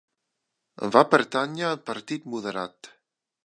Va pertànyer al Partit Moderat.